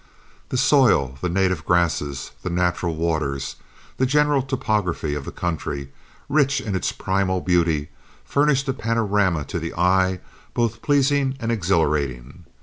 The soil, the native grasses, the natural waters, the general topography of the country, rich in its primal beauty, furnished a panorama to the eye both pleasing and exhilarating.